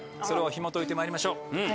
それをひもといてまいりましょう。